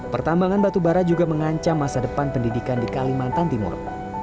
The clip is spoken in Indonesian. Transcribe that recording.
pertambangan batu bara juga mengancam masa depan pendidikan di kalimantan timur